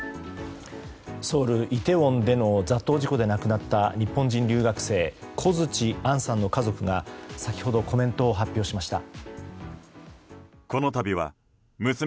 ソウル・イテウォンでの雑踏事故で亡くなった日本人留学生小槌杏さんの家族が先ほどコメントを発表しました。